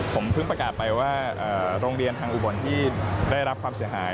ผมเพิ่งประกาศไปว่าโรงเรียนทางอุบลที่ได้รับความเสียหาย